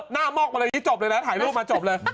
หน้าม็อกอะไรอย่างงี้จบเลยแล้วถ่ายรูปมาจบเลย